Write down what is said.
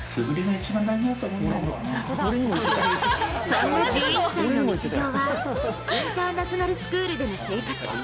そんな１１歳の日常はインターナショナルスクールでの生活。